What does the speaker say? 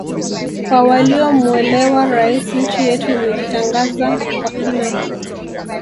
Kwa waliomuelewa Rais nchi yetu imejitangaza kwa kina